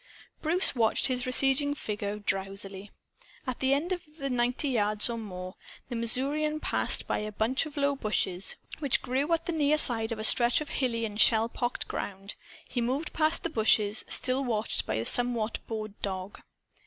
Bruce watched his receding figure, drowsily. At the end of ninety yards or more, the Missourian passed by a bunch of low bushes which grew at the near side of a stretch of hilly and shellpocked ground. He moved past the bushes, still watched by the somewhat bored dog.